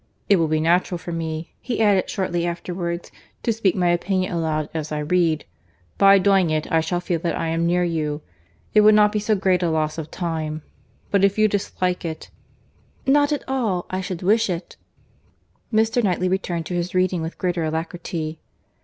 "It will be natural for me," he added shortly afterwards, "to speak my opinion aloud as I read. By doing it, I shall feel that I am near you. It will not be so great a loss of time: but if you dislike it—" "Not at all. I should wish it." Mr. Knightley returned to his reading with greater alacrity.